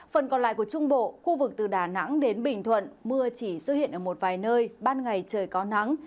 phần còn lại của trung bộ khu vực từ đà nẵng đến bình thuận mưa chỉ xuất hiện ở một vài nơi ban ngày trời có nắng